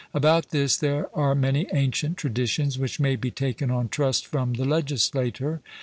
About this there are many ancient traditions, which may be taken on trust from the legislator.